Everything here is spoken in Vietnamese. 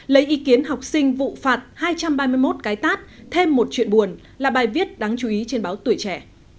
lấy ý kiến học sinh vụ phạt hai trăm ba mươi một cái tát thêm một chuyện buồn là bài viết đáng chú ý trên báo tuổi trẻ